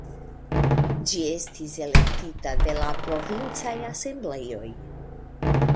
Ĝi estis elektita de la 'Provincaj Asembleoj'.